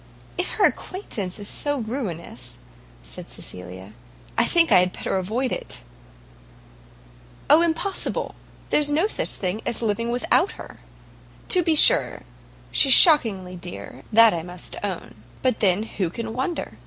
"If her acquaintance is so ruinous," said Cecilia, "I think I had better avoid it." "Oh, impossible! there's no such thing as living without her. To be sure she's shockingly dear, that I must own; but then who can wonder?